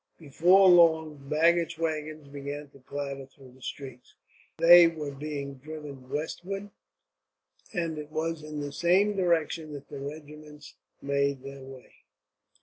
Before long baggage waggons began to clatter through the streets. They were being driven westward, and it was in the same direction that the regiments made their way.